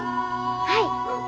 はい。